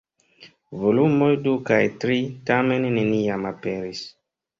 Volumoj du kaj tri, tamen, neniam aperis.